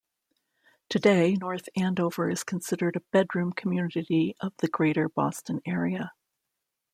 Today North Andover is considered a bedroom community of the greater Boston area.